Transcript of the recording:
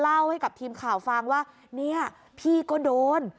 เล่าให้กับทีมข่าวฟังว่าเนี่ยพี่ก็โดน